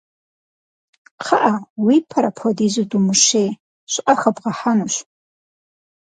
Кхъыӏэ, уи пэр апхуэдизу думышей, щӏыӏэ хэбгъэхьэнущ.